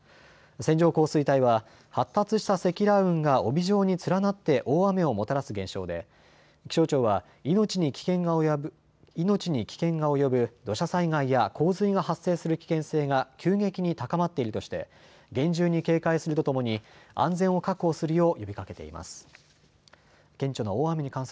線状降水帯は発達した積乱雲が帯状に連なって大雨をもたらす現象で気象庁は命に危険が及ぶ土砂災害や洪水が発生する危険性が急激に高まっているとして厳重に警戒するとともに安全を確保するよう呼びかけています。